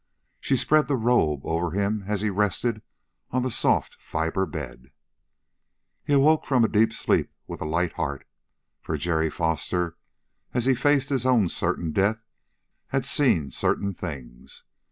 She spread the robe over him as he rested on the soft fiber bed. He awoke from a deep sleep with a light heart. For Jerry Foster, as he faced his own certain death, had seen certain things.